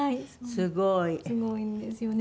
すごいんですよね。